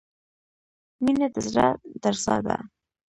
• مینه د زړۀ درزا ده.